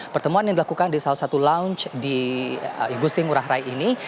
pertemuan yang dilakukan di salah satu lounge di igusti ngurah rai ini